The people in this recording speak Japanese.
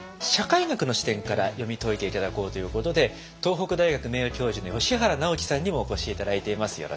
社会学の視点から読み解いて頂こうということで東北大学名誉教授の吉原直樹さんにもお越し頂いています。